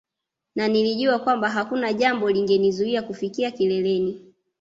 Na nilijua kwamba hakuna jambo lingenizuia kufika kileleni